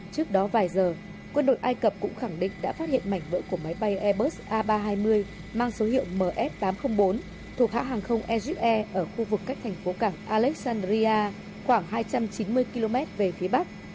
trước đó vài giờ quân đội ai cập cũng khẳng định đã phát hiện mảnh vỡ của máy bay airbus a ba trăm hai mươi mang số hiệu mf tám trăm linh bốn thuộc hãng hàng không air ở khu vực cách thành phố cảng alexandria khoảng hai trăm chín mươi km về phía bắc